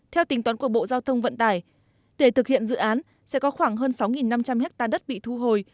theo tính toán của bộ giao thông vận tải để thực hiện dự án sẽ có khoảng hơn sáu năm trăm linh hectare đất bị thu hồi